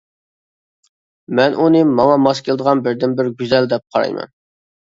مەن ئۇنى ماڭا ماس كېلىدىغان بىردىنبىر گۈزەل، دەپ قارايمەن.